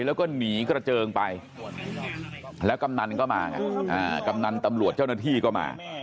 แล้วก็หนีกระเจิงไปแล้วกำนันก็มาไงกำนันตำรวจเจ้าหน้าที่ก็มา